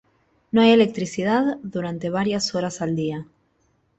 No hay electricidad durantes varias horas al día.